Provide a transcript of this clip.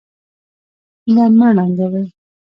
هیله مه ړنګوئ